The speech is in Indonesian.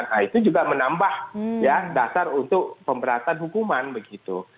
nah itu juga menambah ya dasar untuk pemberatan hukuman begitu